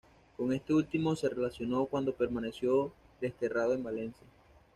Con este último se relacionó cuando permaneció desterrado en Valencia.